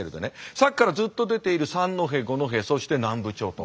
さっきからずっと出ている三戸五戸そして南部町と。